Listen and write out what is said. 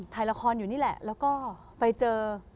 ถ่ายละครอยู่นี่แหละแล้วก็ไปเจอ